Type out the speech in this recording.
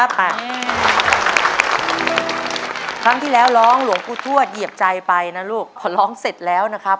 ครั้งที่แล้วร้องหลวงปู่ทวดเหยียบใจไปนะลูกพอร้องเสร็จแล้วนะครับ